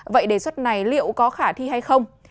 vậy đề xuất này liệu có khả thi hay không